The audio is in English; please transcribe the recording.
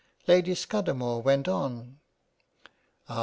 Lady Scudamore went on. " Ah